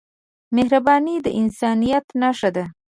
مهرباني د انسانیت نښه ده.